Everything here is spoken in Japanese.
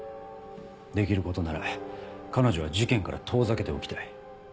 できることなら彼女は事件から遠ざけておきたい。